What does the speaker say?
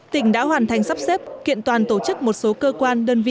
tỉnh đã hoàn thành sắp xếp kiện toàn tổ chức một số cơ quan đơn vị quốc gia